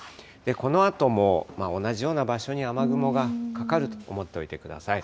このあとも同じような場所に雨雲がかかると思っといてください。